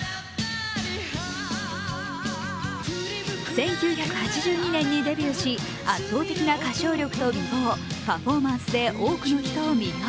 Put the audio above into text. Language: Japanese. １９８２年にデビューし、圧倒的な歌唱力と美貌、パフォーマンスで多くの人を魅了。